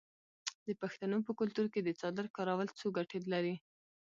د پښتنو په کلتور کې د څادر کارول څو ګټې لري.